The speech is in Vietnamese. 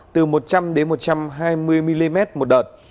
từ một trăm linh một trăm hai mươi mm một đợt